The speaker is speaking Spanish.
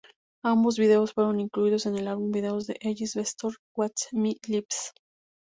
Ambos vídeos fueron incluidos en el álbum de vídeos de Ellis-Bextor, "Watch My Lips".